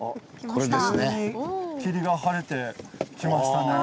急に霧が晴れてきましたね。